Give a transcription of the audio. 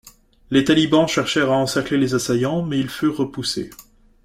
Les Talibans cherchèrent à encercler les assaillants mais ils furent repoussés.